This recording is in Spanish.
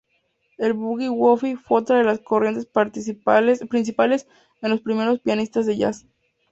El Boogie-woogie fue otra de las corrientes principales entre los primeros pianistas de jazz.